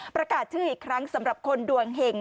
ประกาศชื่ออีกครั้งสำหรับคนดวงเห็ง